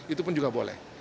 itu pun juga boleh